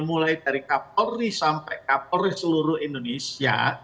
mulai dari kapolri sampai kapolri seluruh indonesia